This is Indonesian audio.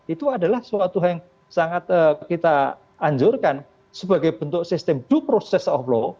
itu adalah suatu hal yang sangat kita anjurkan sebagai bentuk sistem due process of law